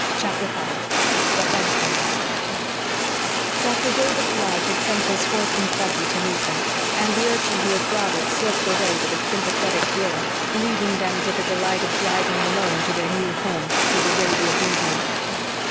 CHAPTER 5 THE HOME COMING Dr. David Blythe had sent his horse and buggy to meet them, and the urchin who had brought it slipped away with a sympathetic grin, leaving them to the delight of driving alone to their new home through the radiant evening.